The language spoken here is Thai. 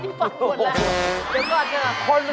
เดี๋ยวก่อนเถอะ